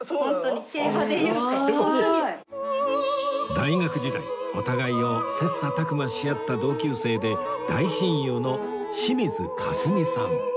大学時代お互いを切磋琢磨し合った同級生で大親友の清水華澄さん